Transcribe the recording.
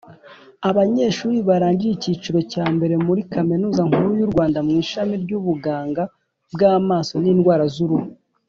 Ababanyeshuri barangije icyicirro cyambere muri kaminuza nkuru yurwanda mwishami ryubuganga bwa maso nindwara zuruhu.